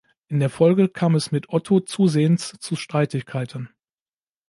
In der Folge kam es mit Otto zusehends zu Streitigkeiten.